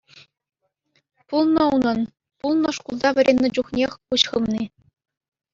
Пулнӑ унӑн, пулнӑ шкулта вӗреннӗ чухнех куҫ хывни.